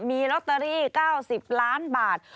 มีลอตเตอรี่๙๐ล้านบาท